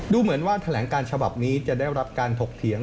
ดูเหมือนว่าแถลงการฉบับนี้จะได้รับการถกเถียง